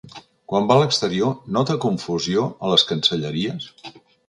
Quan va a l’exterior, nota confusió a les cancelleries?